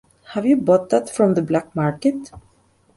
Have you bought that from the black-market?